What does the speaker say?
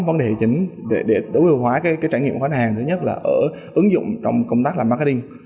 vấn đề chính để tối ưu hóa cái trải nghiệm của khách hàng thứ nhất là ở ứng dụng trong công tác làm marketing